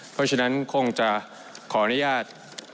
เพราะฉะนั้นคงจะขออนุญาต